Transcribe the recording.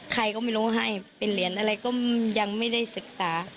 ใครก็ไม่รู้ให้เป็นเหรียญอะไรก็ยังไม่ได้ศึกษา